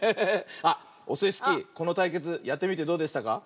あっオスイスキーこのたいけつやってみてどうでしたか？